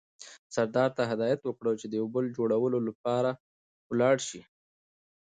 سردار ته هدایت وکړ چې د پل جوړولو لپاره ولاړ شي.